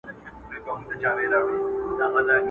بوډا وویل پیسو ته نه ژړېږم؛